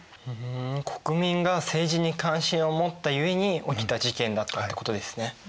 国民が政治に関心を持ったゆえに起きた事件だったってことですね。